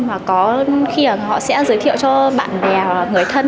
và có khi họ sẽ giới thiệu cho bạn bè hoặc người thân